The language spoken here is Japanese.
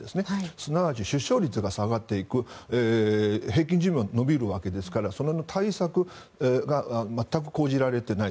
すなわち出生率が下がっていく平均寿命が延びるわけですからそれの対策が全く講じられていない。